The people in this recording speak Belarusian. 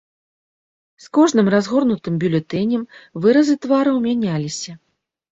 З кожным разгорнутым бюлетэнем выразы твараў мяняліся.